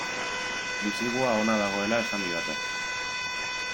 Bisigua ona dagoela esan didate.